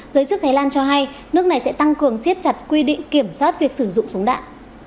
giới chức thái lan cho hay nước này sẽ tăng cường siết chặt quy định kiểm soát việc sử dụng súng đạn